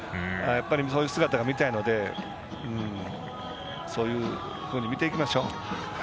そういう姿を見たいのでそういうふうに見ていきましょう。